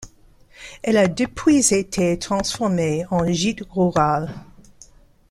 Elle a depuis été transformée en gîte rural.